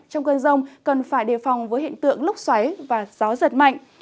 trong cơn rông cần phải đề phòng với hiện tượng lúc xoáy và gió giật mạnh